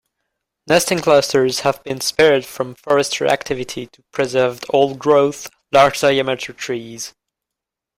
Nesting clusters have been spared from forestry activity to preserve old-growth, large diameter trees.